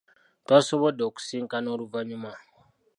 Twasobodde okusisinkana oluvannyuma.